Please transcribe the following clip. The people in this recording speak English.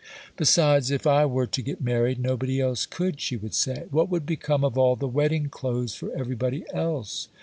'Besides, if I were to get married, nobody else could,' she would say. 'What would become of all the wedding clothes for everybody else?